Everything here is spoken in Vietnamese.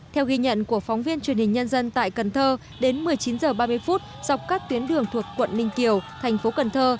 theo ghi nhận của phóng viên truyền hình nhân dân tại cần thơ đến một mươi chín h ba mươi dọc các tuyến đường thuộc quận ninh kiều thành phố cần thơ